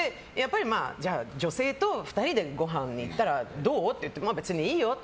じゃあ女性と２人でごはんに行ったらどう？って別に私はいいよって。